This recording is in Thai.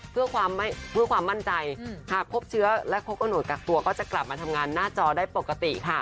เพื่อความมั่นใจหากพบเชื้อและครบกำหนดกักตัวก็จะกลับมาทำงานหน้าจอได้ปกติค่ะ